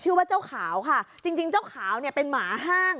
ว่าเจ้าขาวค่ะจริงจริงเจ้าขาวเนี่ยเป็นหมาห้าง